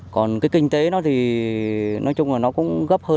còn cái kinh tế nó thì nói chung là nó cũng gấp hơn